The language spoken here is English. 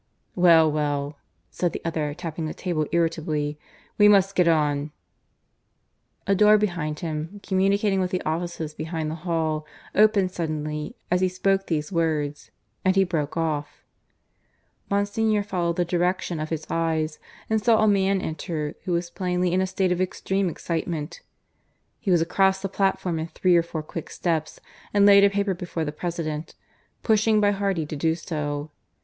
"Well, well," said the other, tapping the table irritably. "We must get on " A door behind him, communicating with the offices behind the hall, opened suddenly as he spoke these words, and he broke off. Monsignor followed the direction of his eyes, and saw a man enter who was plainly in a state of extreme excitement. He was across the platform in three or four quick steps, and laid a paper before the President, pushing by Hardy to do so.